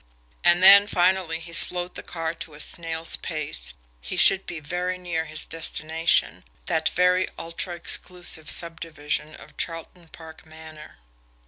And then, finally, he slowed the car to a snail's pace he should be very near his destination that very ultra exclusive subdivision of Charleton Park Manor.